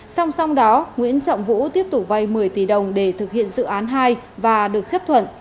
song song đó nguyễn trọng vũ tiếp tục vay một mươi tỷ đồng để thực hiện dự án hai và được chấp thuận